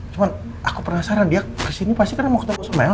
cuman aku penasaran dia kesini pasti karena mau ketemu sama elsa dia mau ngapain